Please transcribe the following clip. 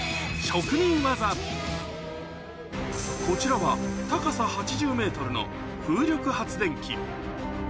こちらは風力発電機